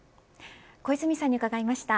小泉さんに伺いました。